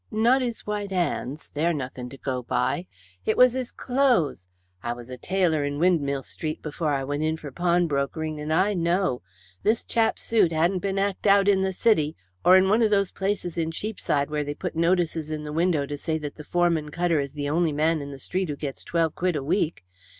"Not his white hands they're nothing to go by. It was his clothes. I was a tailor in Windmill Street before I went in for pawnbroking, and I know. This chap's suit hadn't been 'acked out in the City or in one of those places in Cheapside where they put notices in the window to say that the foreman cutter is the only man in the street who gets twelve quid a week.